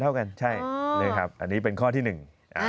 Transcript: เท่ากันใช่นะครับอันนี้เป็นข้อที่หนึ่ง